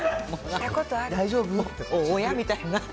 大丈夫？って。